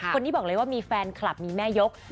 คนนี้บอกเลยว่ามีแฟนคลับมีแม่ยก